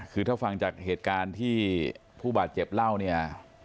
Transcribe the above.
คือถ้าฟังจากเหตุการณ์ที่ผู้บาดเจ็บเล่าเนี่ย